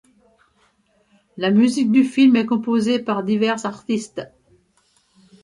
La musique du film est composée par divers artistes.